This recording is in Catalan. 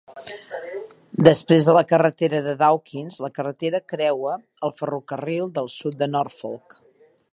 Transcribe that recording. Després de la carretera de Dawkins, la carretera creua el ferrocarril del sud de Norfolk.